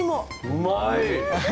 うまい！